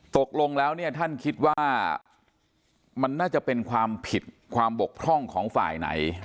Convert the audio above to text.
ตกลงแล้วเนี่ยท่านคิดว่ามันน่าจะเป็นความผิดความบกพร่องของฝ่ายไหน